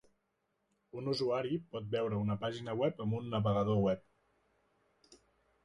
Un usuari pot veure una pàgina web amb un navegador web.